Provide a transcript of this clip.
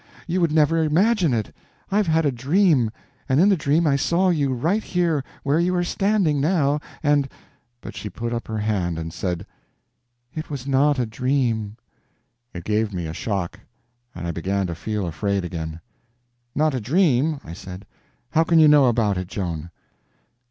You would never imagine it. I've had a dream, and in the dream I saw you right here where you are standing now, and—" But she put up her hand and said: "It was not a dream." It gave me a shock, and I began to feel afraid again. "Not a dream?" I said, "how can you know about it, Joan?"